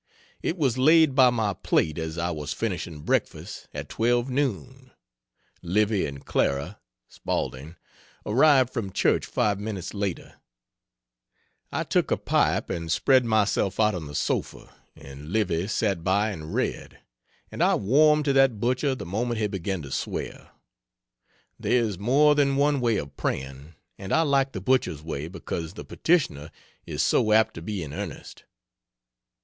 It was laid by my plate as I was finishing breakfast at 12 noon. Livy and Clara, (Spaulding) arrived from church 5 minutes later; I took a pipe and spread myself out on the sofa, and Livy sat by and read, and I warmed to that butcher the moment he began to swear. There is more than one way of praying, and I like the butcher's way because the petitioner is so apt to be in earnest.